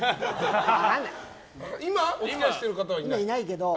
今、お付き合いしてる方はいない？